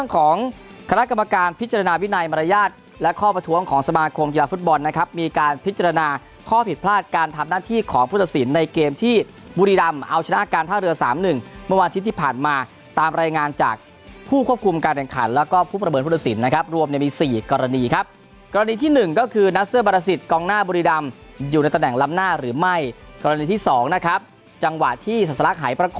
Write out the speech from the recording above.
หน้าที่ของพุทธศิลป์ในเกมที่บุรีรำเอาชนะการท่าเรือสามหนึ่งเมื่อวันที่ที่ผ่านมาตามรายงานจากผู้ควบคุมการแข่งขันแล้วก็ผู้ประเบิดพุทธศิลป์นะครับรวมในมีสี่กรณีครับกรณีที่หนึ่งก็คือนักเสื้อบรรทศิษย์กองหน้าบุรีรำอยู่ในตะแหน่งลำหน้าหรือไม่กรณีที่สองนะครับจังหวะที่ศา